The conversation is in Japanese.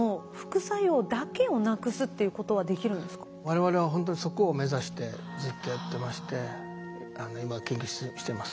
我々はほんとにそこを目指してずっとやってまして今研究してます。